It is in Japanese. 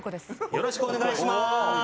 よろしくお願いします。